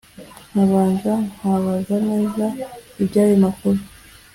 nkabanza nkabaza neza iby'ayo makuru.